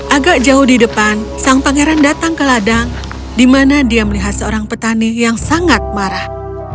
agak jauh di depan sang pangeran datang ke ladang di mana dia melihat seorang petani yang sangat marah